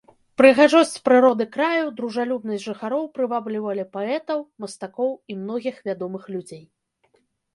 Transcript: Прыгажосць прыроды краю, дружалюбнасць жыхароў прываблівалі паэтаў, мастакоў і многіх вядомых людзей.